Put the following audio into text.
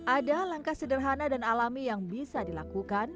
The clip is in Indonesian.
ada langkah sederhana dan alami yang bisa dilakukan